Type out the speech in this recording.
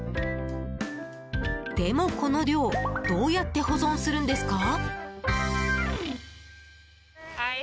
でも、この量どうやって保存するんですか？